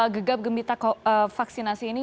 gegap gembita vaksinasi ini